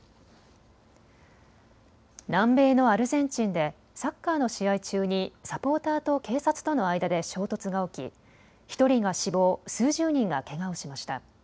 南米のアルゼンチンでサッカーの試合中にサポーターと警察との間で衝突が起き１人が死亡、数十人がけがをしました。